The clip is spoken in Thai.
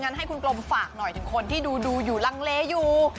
งั้นให้คุณกรมฝากหน่อยถึงคนที่ดูรางเลอยู่